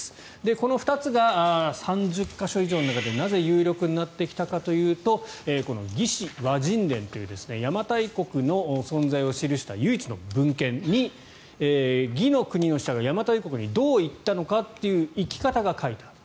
この２つが３０か所以上の中でなぜ有力になってきたかというと「魏志倭人伝」という邪馬台国の存在を記した唯一の文献に魏の国の人が邪馬台国にどう行ったのかという行き方が書いてある。